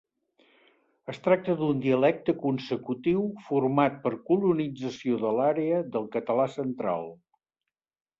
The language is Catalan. Es tracta d'un dialecte consecutiu format per colonització de l'àrea del català central.